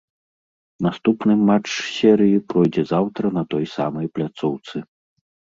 Наступны матч серыі пройдзе заўтра на той самай пляцоўцы.